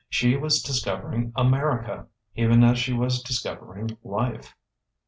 She was discovering America: even as she was discovering Life....